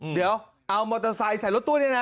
เดี๋ยวเอามอเตอร์ไซค์ใส่รถตู้ด้วยนะ